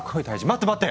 待って待って！